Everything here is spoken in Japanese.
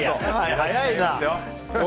早いな。